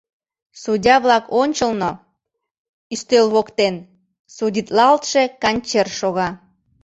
Судья-влак ончылно, ӱстел воктен, судитлалтше Канчер шога.